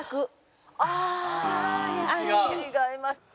違います。